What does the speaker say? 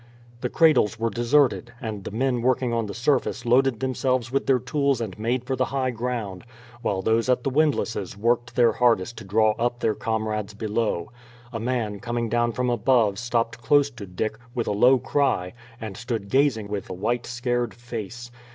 The cradles were deserted, and the men working on the surface loaded themselves with their tools and made for the high ground, while those at the windlasses worked their hardest to draw up their comrades below. A man coming down from above stopped close to Dick, with a low cry, and stood gazing with a white scared face.